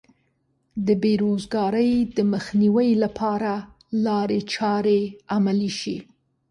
د بې روزګارۍ د مخنیوي لپاره لارې چارې عملي شي.